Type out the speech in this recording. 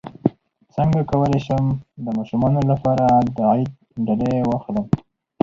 څنګه کولی شم د ماشومانو لپاره د عید ډالۍ واخلم